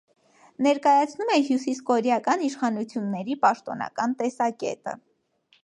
Ներկայացնում է հյուսիսկորեական իշխանությունների պաշտոնական տեսակետը։